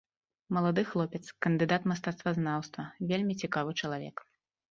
Малады хлопец, кандыдат мастацтвазнаўства, вельмі цікавы чалавек.